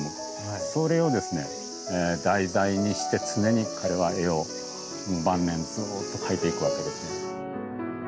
それを題材にして常に彼は絵を晩年ずっと描いていくわけですね。